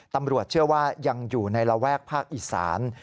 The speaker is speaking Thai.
ตำรวจเชื่อว่ายังอยู่ในระแวกภาคอีสาน